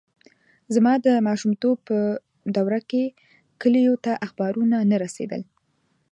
زما د ماشومتوب په دوره کې کلیو ته اخبارونه نه رسېدل.